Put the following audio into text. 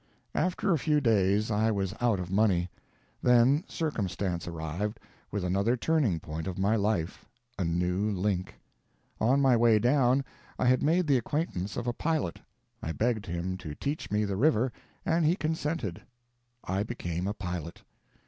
After a few days I was out of money. Then Circumstance arrived, with another turning point of my life—a new link. On my way down, I had made the acquaintance of a pilot. I begged him to teach me the river, and he consented. I became a pilot.